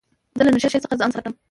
زه له نشې څخه ځان ساتم.